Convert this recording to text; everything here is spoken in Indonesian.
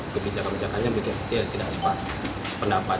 kebijakan kebijakannya tidak sependapat